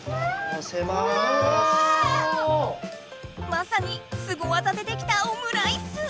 まさにスゴ技でできたオムライス！